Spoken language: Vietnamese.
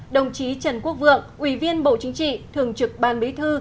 đồng chí trần quốc vượng ủy viên bộ chính trị thường trực ban bí thư